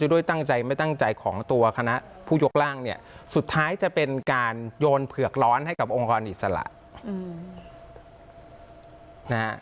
ด้วยตั้งใจไม่ตั้งใจของตัวคณะผู้ยกร่างเนี่ยสุดท้ายจะเป็นการโยนเผือกร้อนให้กับองค์กรอิสระนะฮะ